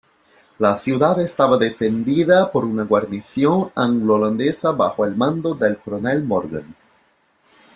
La ciudad estaba defendida por una guarnición anglo-holandesa bajo el mando del coronel Morgan.